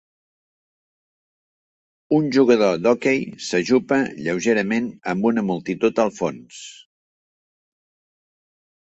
Un jugador d'hoquei s'ajupa lleugerament amb una multitud al fons